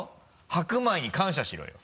白米に感謝しろよ。